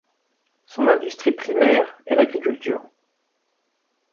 Son industrie primaire est l'agriculture.